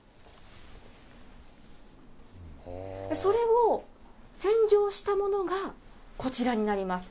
それを洗浄したものがこちらになります。